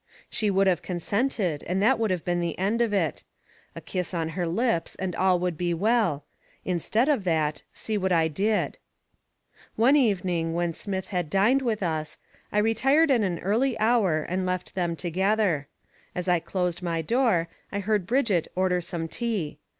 She would have consented and that would have been the end of it. A kiss on her lips and all would be well; instead of that, see what I did. One evening when Smith had dined with us, I retired at an early hour and left them together. As I closed my door, I heard Brigitte order some tea.